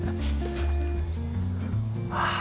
ああ！